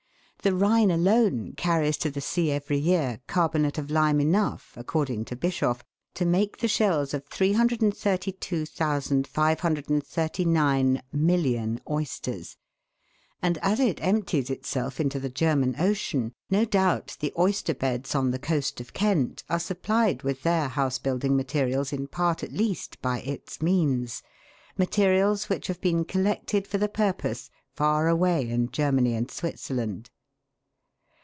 The Rhine alone carries to the sea every year carbonate of lime enough, according to Bischof, to make the shells of 332.539,000,000 oysters, and as it empties itself into the German Ocean, no doubt the oyster beds on the coast of Kent are supplied with their house building materials in part at least by its means materials which have been collected for the purpose far away in Germany and Swit zerland.